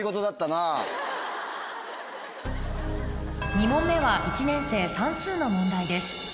２問目は１年生算数の問題です